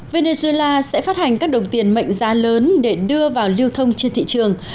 venezuela sẽ phát hành các đồng tiền mệnh giá lớn để đưa vào lưu thông trên thị trường